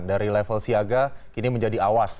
dari level siaga kini menjadi awas